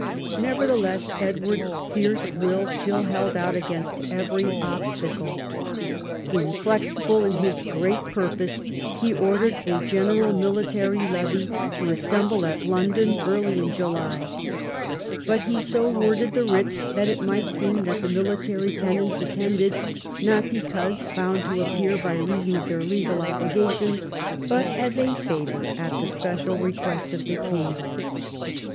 Nevertheless Edward's fierce will still held out against every obstacle. XI THE YEARS OF CRISIS 195 Inflexible in his great purpose, he ordered a general military levy to assemble at London early in July. But he so worded the writs that it might seem that the military tenants attended, not because bound to appear by reason of their legal obligations, but as a favour at the special request of the king.